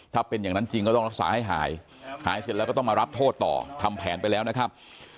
ถ้าเป็นอย่างนั้นจริงก็ต้องรักษาให้หายหายเสร็จแล้วก็ต้องมารับโทษต่อทำแผนไปแล้วนะครับ